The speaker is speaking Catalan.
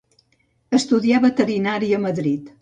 Estudià veterinària a Madrid.